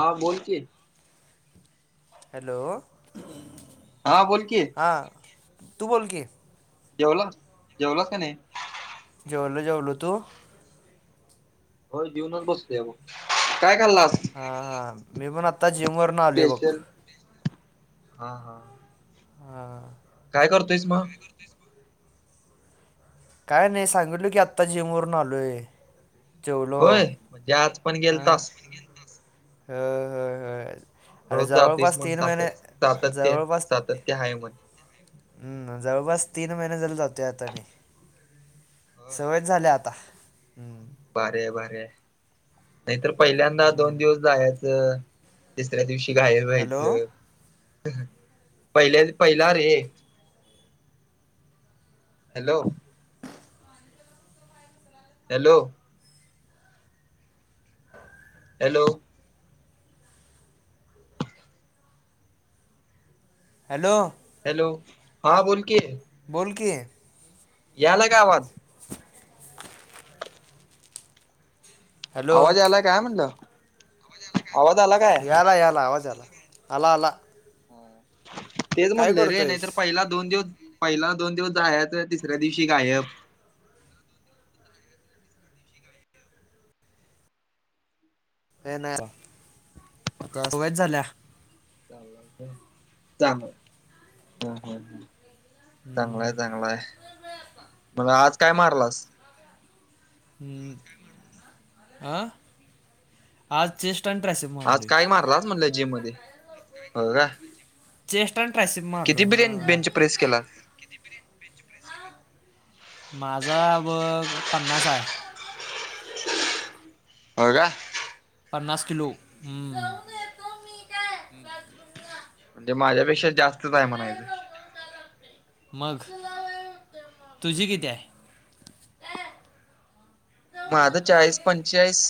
हां बोल की हॅलो हा बोल की हां तू बोल की जेवला जेवलाच का नाही? जेवलो जेवलो तू? हो जेवूनच बसतोय ब काय खाल्लास? हा हा मी पण आता जिम वरन आलो बघ. स्पेशल? हा हा हा काय करतोयस मग? काय नाही सांगितलो की आत्ता जिमवरून आलोय. होय म्हणजे आज पण गेलतास. ह होय होय अरे रोज जातोयस जवळपास तीन महिने जवळपास ततेत आहे म्हण. हम् जवळपास तीन महिने झाले जातोय आता मी. सवयच झाल्या आता हम्म‌. भारीय भारीय नाहीतर पहिल्यांदा दोन दिवस जायच. तिसऱ्या दिवशी गायब हॅलो व्हायचं पहिल्या पहिला रे hello hello hello hello hello हा बोलकी बोल की यालाका आवाज हॅलो आवाज यालयका काय म्हणलं आवाज अलाग काय? याला याला आवाजला अला अला. हा तेच म्हणलं रे करतोयस नाहीतर पहिला दोन दिवस पहिला दोन दिवस जायच तिसऱ्या दिवशी गायब हे नाय यार, चल चल सवयच झाल्या चाल [unintelligible] चांगलाय चांगलाय मग आज काय मारलास? अं, आ आज चेस्ट पंधराशे म आज काय मारलास म्हटलं जिम मध्ये, हो काय चेस्ट अन ट्रायसीप मारलो हा बिर्याणी बेंच प्रेस केला माझा बघ पन्नास हाय. होय का? पन्नास किलो, हं हं अन ते माझ्यापेक्षा जास्तच आहे म्हणायचं मग तुझी किती हाय? माझं चाळीस पंचेचाळीस.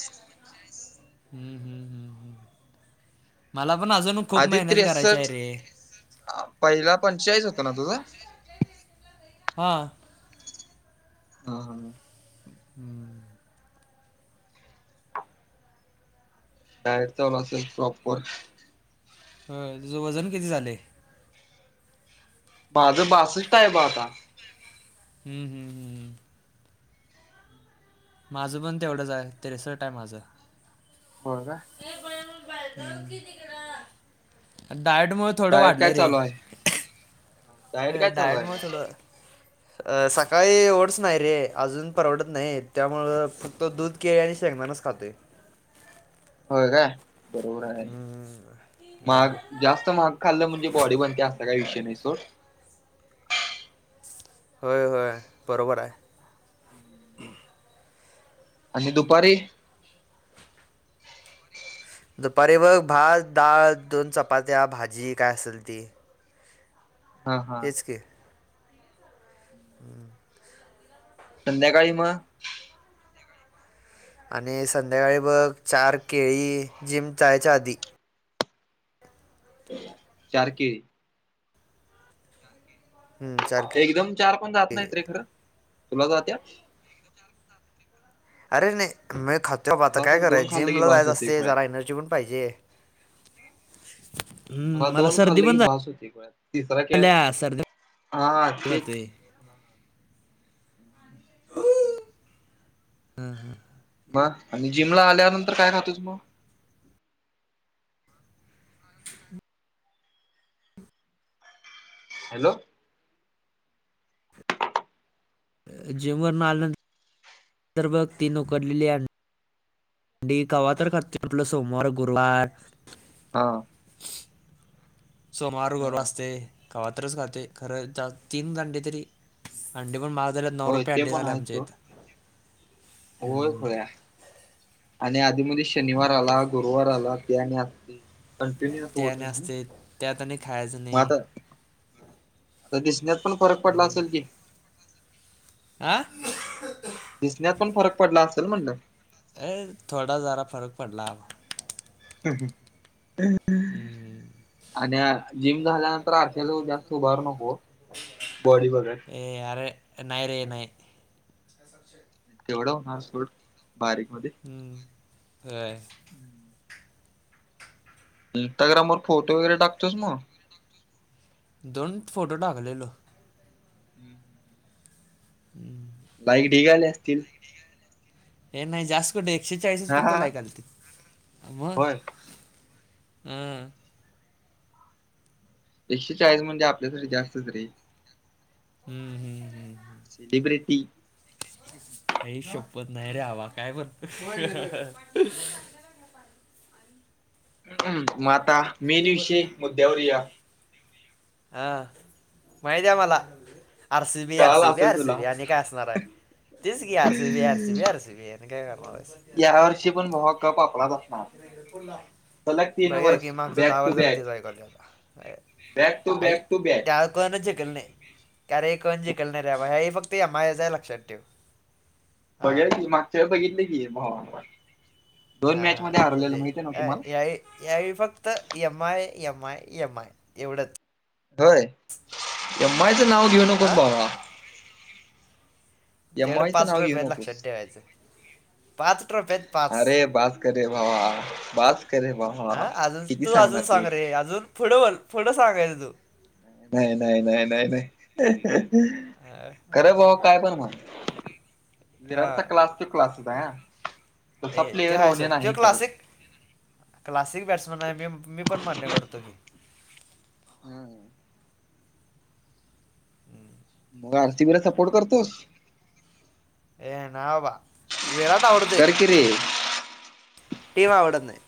हम्म हम्म हम्म हम्म, मला पण अजून खूप आधी मेहनत करायची आहे त्रेसष्ट रे. पहिला पंचेचाळीस होत ना तुझं? हा हा हा हा. हम्म डायट चालू असल प्रॉपर. व्हय तुझं वजन किती झालंय? माझं बासष्ट आहे ब आता. हं हं हं माझं पण तेवढंच हाय त्रेसट हाय माझं. होय काय? हम्म डायट मुळ थोडं डायट काय वाढलय रे. चालू आहे हे काय चालू डायट आहे मूळ थोड मग अ सकाळी एवढंच नाही रे अजून परवडत नाही त्यामुळं फक्त दूध केळी आणि शेंगदानच खातोय. होय काय, बरोबर आहे, महाग जास्त महाग खाल्लं म्हणजे बॉडी बनत्या असा काही विषय नाही सोड. होय होय बरोबर हाय. आणि दुपारी? दुपारी बघ भात, डाळ, दोन चपात्या, भाजी काय असल ते. हा हा हम्म संध्याकाळी म? आणि संध्याकाळी बघ चार केळी जिम जायच्या आधी. चार केळी हम्म चाल एकदम चार पण जात नाहीत रे खरं, तुला जात्यात? अरे नाही, मी खातोय बाबा आता मला काय तर दोन करायच खाल्ले जिम की ला जायच बास होते असतय खुळ्या जरा एनर्जी पण पाहिजे. हम्म मला सर्दी पण झा त्रास होतोय गोळ्यात, तिसरा खेळ ल्या सर्दी हा हा तेच [unintelligible] [unintelligible] हा हा, मग आणि जिमला आल्यानंतर काय खातोस मग हॅलो, जिमवरनं आल्यानंत बघ तीन उकडलेली अंडी डी कवातर खा [unintelligible] सोमवार, गुरवार हा, सोमवार, हा गुरवार असते. कवातरीच खातोय. खरं तीन घंटे तरी अंडी पण महाग झाल्यात. नऊ होय रुपये ते अंडी पण झाले आहेच आमच्या सोड इथं. होय हम्म. होया आणि अधीमधी शनिवार हम्म, आला, गुरुवार आला, ते आणि आ कंटिन्यू होत. त्या हातानी खायच नाही. त दिसण्यात पण फरक पडला असेल की, आं, दिसण्यात पण फरक पडला असल म्हणलं. ये थोडा जरा फरक पडला. ह ह हं, हम्म. हा आणि हा जिम झाल्यानंतर आत्याजवळ जास्त उभारू नको. बॉडी बिल्डर ए अरे नाही रे नाही. तेवढं हासून बारीक मध्ये [unintelligible] अय इंस्टाग्रामवर फोटो वगैरे टाकतोस मग दोन फोटो टाकलेलो. हम्म, हम्म, लाइक ढिग आले असतील. हे नाही जास्त कुठे एकशे चाळीसच हा फक्त हा लायक आलती. मग होय हम्, एकशे चाळीस म्हणजे आपल्यासाठी जास्तच रे. हम्म हम्, सेलिब्रिटी आई शपथ नाही रे अवा काय पण म् माता मेन विषय मुद्द्यावर या. हा माहिती आहे मला. आर सी बी, आर कळाला सी बी, असेल आर सी तुला बी आणि काय असणार आहे. तेच कि, R C B, R C B, R C B आणि काय करणार आहेस. या वर्षी पण भावा का पापडा भा फोन लाव. भैया वर्ष गीमागचं बॅक दावर टू जरा बॅक तिला एकल ठेव. बॅक टू आई बॅक टू बॅक त्या कोनाचल कल नाही. कारे कोण जिंकल नारे भाई फक्त या माझ्याच आहे लक्षात ठेव. हा बघेल की, मागच्या वेळ बघितली की, भावा दोन मॅच मध्ये हरलेलो माहित आहे न तुम्हाला? या वेळी फक्त M I, M I, M I एवढंच. होय. एम आय चं नाव घेऊ नकोस हा बाबा. एम तेवढं आय चं पाच नाव ट्रॉफी घेऊ आहेत नकोस. लक्षात ठेवायचं पाच ट्रॉफी आहेत पाच अरे बास् [unintelligible] हा अजून तू अजून सांग रे अजून पुढं बोल पुढं सांगायाच तू नाही नाही नाही नाही नाही, हा, खरं भाऊ काय पण म्हण विराट चा हा क्लास तो क्लास होता हा, तसा ए ते प्लेअर आहे होणे सोड तो नाही परत क्लासिक क्लासिक बॅट्समन आहे मी, मी पण मान्य करतो की. हम् हम मग आर सी बी ला सपोर्ट करतोस? ए ना बाबा विराट आवडतोय कर की रे ते आवड नाही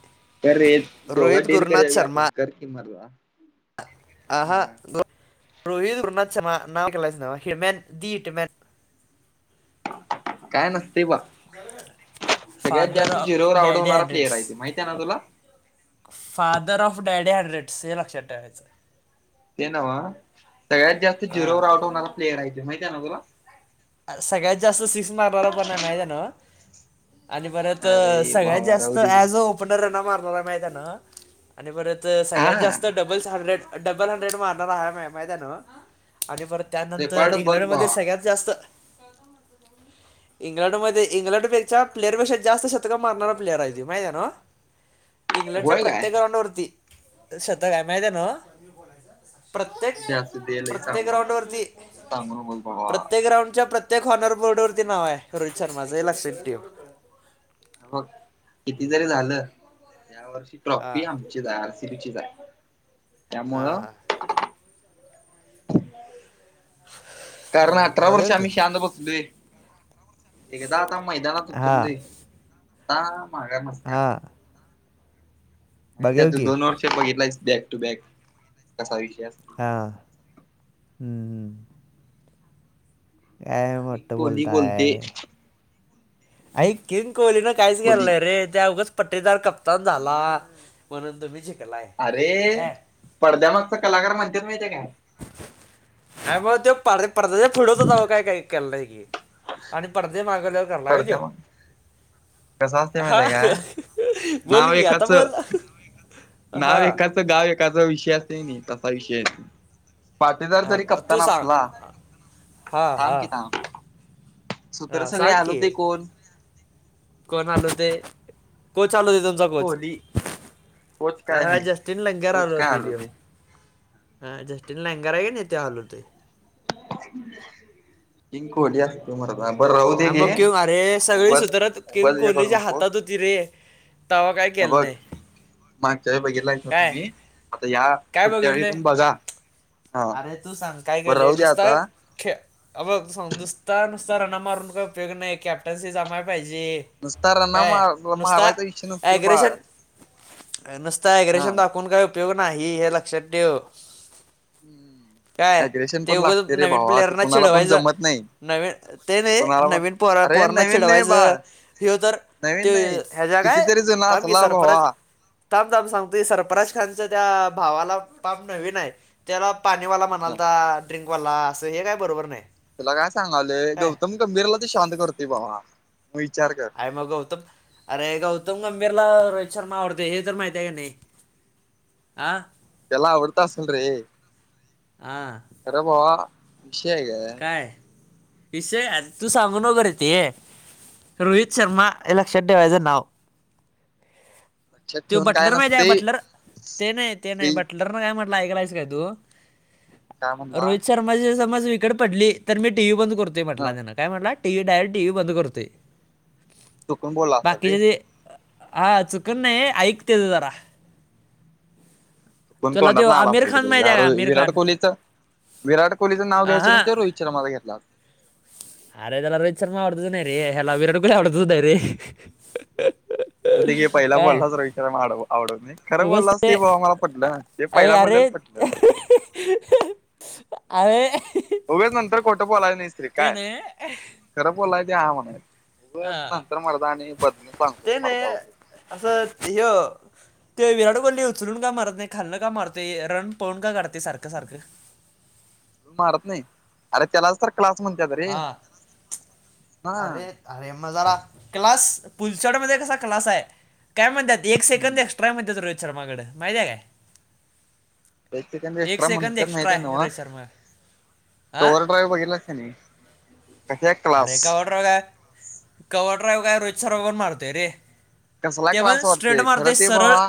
तर ते दोघात रोहित डील गुरुनाथ करूया की आपण शर्मा कर कि मर्दा आ हा रोहित शर्मा नाव केलाय ना वा हि मॅन द हिटमॅन काय नसते बा सगळ्यात फादर जास्त ऑफ झिरोवर आऊट डॅडी होणारा प्लेयर हंड्रेड्स आहे तो माहित आहे ना तुला? फादर ऑफ डॅडी हंड्रेडस हे लक्षात ठेवायचं. ते नव्ह सगळ्यात जास्त हा झिरोवर आउट होणारा प्लेयर आहेय त्यो माहिती आहे ना तुला? सगळ्यात जास्त सिक्स मारणारा पण नाही माहिती आहे न व? आणि परत अरे सगळ्यात भावा राहू जास्त दे की ऍज अ ओपनर रन मारणार माहीत आहे ना? आणि परत सगळ्यात हा जास्त डब डबल्स हंडेड डबल हंड्रेड मारणारा हाय माहितेय न व आणि परत त्यानंतर रेकॉर्ड बघ इंग्लंड मध्ये भावा सगळ्यात जास्त इंग्लंडमध्ये इंग्लंडपेक्षा प्लेयरपेक्षा जास्त शतक मारणारा प्लेअर आहे त्यो माहिती आहे ना व? इंग्लंडच्या होय प्रत्येक काय ग्राउंड वरती शतक आहे माहितेय ना व? प्रत्येक, असू दे लय प्रत्येक सांगू ग्राउंड नको वरती सांगू नकोस भावा प्रत्येक ग्राउंड च्या प्रत्येक हॉनर बोर्डवरती नाव आहे रोहित शर्माचं हे लक्षात ठेव. अ बघ किती जरी झालं या वर्षी हां ट्रॉफी आम्ही आर सी बी चीच आहे, हां त्यामुळं हां कारण हां अठरा वर्ष बघेल की आम्ही शांत बसलोय एकदा आता मैदानात उतरू हां दे आता माघार नसतेया हां माहितेय बघेव तु की दोन वर्ष बघितलायस बॅक टू बॅक कसा विषय असतो हा हम्म हम्म काय किंग मोठं कोहली बोलते बोलताय ऐक किंग कोहलीन किंग काहीच केलं कोहली नाहीय रे त्याला उगाच [unintelligible] कप त झाला अ म्हणून तुम्ही शिकलाय अरे काय पडद्यामागचा कलाकार म्हणत्यात माहिती आहे काय? अ मग ते पर पद्याच्या पुढच होता काय काय केल नाही की आणि पडद्याच्या मागे गेल्यावर करणार व्हय तो? पडद्यामाग कसा असते हा माहितीय का काय बोल नाव की आता एकाच बोल हा नाव एकाचं गाव एकाचा विषय असा नाही तसा विषय आहेेत तो पाटीदार जरी आणि तू कप्तान सांग असला हा थांब हा कि थांब सूत्र हा सगळे सांग हलवतंय की कोण? कोण हलवताय कोच चालवतो तुमचा किंग कोच कोहली कोच आ काय हा नाही जस्टिन लंगर कोच काय हलवतोय त्यो हलवते ह जस्टीन लंगर आहेे की नाही त्या हलवतोय [unintelligible] बरं राहू दे हा मग कि घे अरे सगळी उगाच सूत्र उगाच किंग हे करू कोहलीच्या नकोस हातात होती रे तवा काय हे केल बघ नही. मागच्या वेळेला बघितलं का तुम्ही आता या काय पुढच्या वेळी बघितले पण बघा, हां बरं राहू द्या आज. ख्य, अब ग समजूस्तर सरांना मारून काय उपयोग नाही कॅप्टनशी जमा पाहिजे. नुसतां रना काय मार-मारायचा विषय नसतोय बाळ. नुसतं हा एग्रेशन दाखवून काय उपयोग नाही, हे लक्षात ठेव. काय अग्रेशन ते पण उगाच लागतय रे नवीन भावा, ते प्लेअरना कुणाला पण चिडवायचं जमत नाही. नवीन ते नाही, कुणाला पण नवीन अरे पोर-पोरणा नवीन नाही चिडवायचं बाळ ह्यो जर नवीन त्यो नाही ह्य-ह्याज्या काय, कितीतरी जुना थांब की असला भावा सरप्राईज थांब थांब सांगतो सरप्राईज खालच्या त्या, भावाला पाम नवीन नवीन हाय. त्याला पाणीवाला हा म्हणालता, ड्रिंकवाला असं हे काय बरोबर नाही. तुला काय सांगालोय काय गौतम गंभीरला ते शांत करतोय भावा मग विचार कर. काय मग गौतम, अरे गौतम गंभीरला रोहित शर्मा आवडतोय हे तर माहितेय काय नाही. आ त्याला आवरत असलं रे. आं खरं भावा, विषय हाय काय. काय विषय ह्याज, तू सांगू नको रे ते, रोहित शर्मा हे लक्षात ठेवायचं नाव. लक्षात त्यो ठेवून बटलर माहितेय काय नसतय. बटलर, ते नाही, ते नाही री बटलर बटलर नं काय म्हंटलाय ऐकलायस काय तू, काय म्हणला रोहित श समजायचे ते समज विकेट पडली तर मी टीव्ही बंद करतोय ह म्हंटला त्यांन. काय म्हंटला, T V direct, T V बंद करतोय, चुकून बोलला असेल रे. बाकीचे जे हा चुकुन नाही, ऐक तेज जरा. कोण तुला तो तोंडातनं आला आमिर असलं रे खान माहिती तेच्या, आहे का आमिर विराट खान कोहलीचं विराट कोहलींच नाव हा घ्यायचं रोहित शर्माचा घेतल्यात. अरे त्याला रोहित शर्मा आवडतच नाही रे, ह्याला विराट कोहली आवडतच नाही रे जाऊदे घे, पहिला बॉल काय लाच रोहित शर्मा आउट होतोय, खरं बोललास ते भावा मला अ- पटलं अरे अरे हं. [unintelligible] अरे उगच नंतर खोटं बोलायचं नाहीस. रे ते काय नाय खरं बोलाय ते हा म्हणायचं, उगच नंतर मरदा आणि बदलून सांगतोय मर्दा वो असंच ह्यो ते विराट कोहली उचलून का मारत नाही खालनं का मारतय, रन पळून काढतय सारखं सारखं. मारत नाही, अरे त्यालाच तर क्लास म्हणत्यात रे. हा हा. अरे, अरे म जरा, क्लास पुलचड मध्ये कसा क्लास हाय काय म्हणत्यात एक सेकंद एक्स्ट्राय म्हणत्यात रोहित शर्माकड माहितेय काय. म एक सेकंद एक एक्स्ट्रा सेकंद म्हणत्यात एक्स्ट्रा माहितेय आहे नवं, रोहित शर्मा हा ओवर ड्राईव्ह बघितलाईस की नही. अरे कवा ड्रायव, कवा ड्रायव काय रोहित शर्मा पण मारतोय रे. कसला ते पण क्लास स्ट्रेट वाटतोय, खरं मारतोय ते सरळ भावा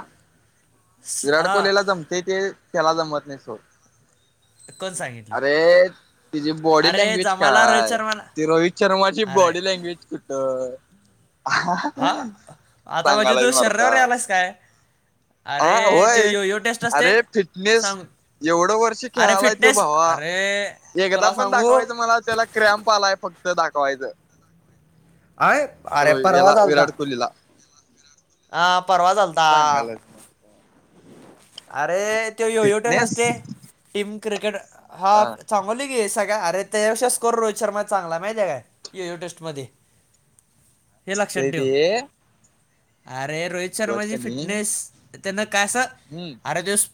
स- विराट हा कोहलीला जमतंय ते त्याला जमत नाही सोड, कोण सांगितलं अरे तिची बॉडी अरे लँग्वेज जमाला रोहित काय, शर्माला ती रोहित शर्माची अरे बॉडी लँग्वेज [unintelligible] हा, आता म्हणजे सांगालाच तू शरीरावर मरदा या लाईस काय? हा अरे ते होय, यो यो टेस्ट असते अरे फिटनेस सांग एवढं वर्ष अरे खेळालाय तो फिटनेस भावा, अरे एकदा तुला पण सांगू दाखवायचं मला त्याला क्रॅम्प आलाय फक्त दाखवायचं. आय अरे रोहि, परवा हेला चालता विराट कोहलीला. हा, परवाच आलता. सांगालाच [inaudible] अरे, तो यो-यो टेस्ट फिटनेस असतोय, टीम क्रिकेटर हा हाफ सांगलोय की, सगळ्या अरे तेच्या पेक्षा स्कोर रोहित शर्माचा चांगला हाय, माहिती हाय काय? यो -यो टेस्ट मध्ये. [inaudible] [unintelligible] अरे रोहित उगाच शर्माची कणी फिटनेस, त्यांन का असं हम्म. [unintelligible]